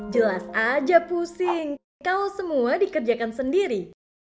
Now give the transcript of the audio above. jelas aja pusing kau semua dikerjakan sendiri